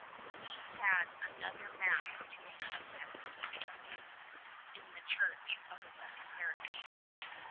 He had another Mass to assist at before noon, in the church of his own parish.